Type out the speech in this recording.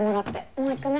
もう行くね。